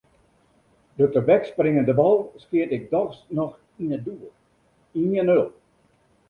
De tebekspringende bal skeat ik dochs noch yn it doel: ien-nul.